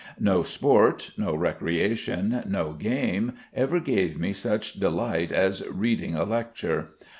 No sport, no recreation, no game ever gave me such delight as reading a lecture.